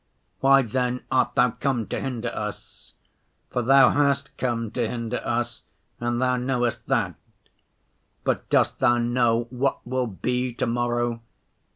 Why, then, art Thou come to hinder us? For Thou hast come to hinder us, and Thou knowest that. But dost Thou know what will be to‐ morrow?